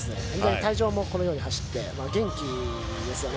退場もこのように走って、元気ですよね。